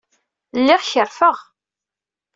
Lliɣ kerfeɣ.